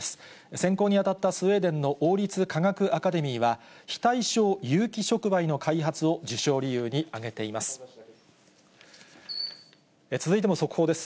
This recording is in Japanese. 選考に当たったスウェーデンの王立科学アカデミーは、非対称有機触媒の開発を受賞理由に挙げています。